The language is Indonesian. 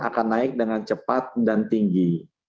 akan naik dengan cepat dan tinggi